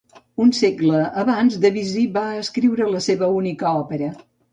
Un segle abans, Debussy va escriure la seva única òpera.